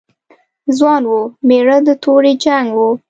ځوان و، مېړه د تورې جنګ و.